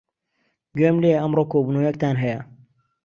گوێم لێیە ئەمڕۆ کۆبوونەوەیەکتان هەیە.